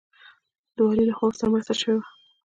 د والي لخوا ورسره مرسته شوې وه.